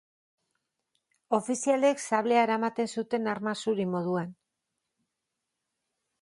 Ofizialek sablea eramaten zuten arma zuri moduan.